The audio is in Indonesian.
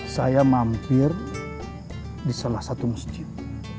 saya mampir di salah satu masjid